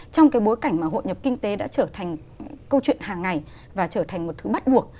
trong cái bối cảnh mà hội nhập kinh tế đã trở thành câu chuyện hàng ngày và trở thành một thứ bắt buộc